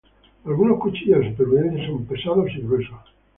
Algunos cuchillos de supervivencia son pesados y gruesos.